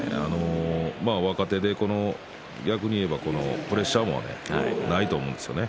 若手で、逆に言えばプレッシャーはないと思うんですよね